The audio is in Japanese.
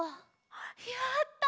やった！